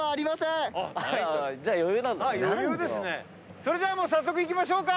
それでは早速いきましょうか。